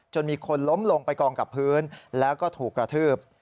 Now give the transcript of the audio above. มีคนล้มลงไปกองกับพื้นแล้วก็ถูกกระทืบ